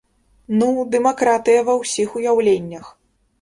Ну, дэмакратыя ва ўсіх уяўленнях!